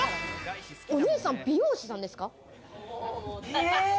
お姉さん、美容師さんですか？